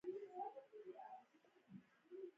د ډوډۍ خوړلو د کوټې او له دهلېز څخه تر تېرېدو وروسته.